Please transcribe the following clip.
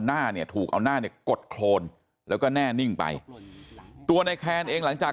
หน้าถูกเอาหน้ากดโครนแล้วก็แน่นิ่งไปตัวในแค้นเองหลังจาก